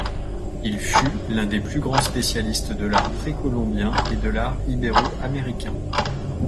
Il fut l'un des plus grands spécialistes de l'art précolombien et de l'art ibéro-américain.